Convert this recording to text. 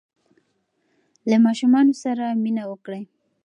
له ماشومانو سره مینه وکړئ.